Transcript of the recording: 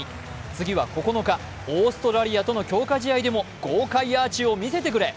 次は９日、オーストラリアとの強化試合でも豪快アーチを見せてくれ！